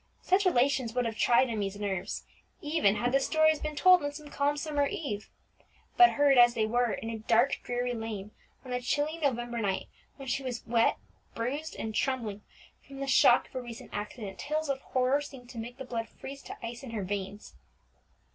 Such relations would have tried Emmie's nerves, even had the stories been told on some calm summer eve; but heard, as they were, in a dark, dreary lane, on a chilly November night, when she was wet, bruised, and trembling from the shock of a recent accident, tales of horror seemed to make the blood freeze to ice in her veins.